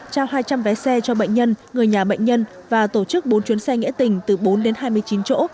trao hai trăm linh vé xe cho bệnh nhân người nhà bệnh nhân và tổ chức bốn chuyến xe nghĩa tình từ bốn đến hai mươi chín chỗ